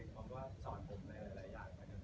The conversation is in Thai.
คือบอกว่าเทียมจะสอนผมหลายอย่าง